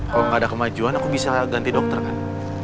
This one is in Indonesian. kalau nggak ada kemajuan aku bisa ganti dokter kan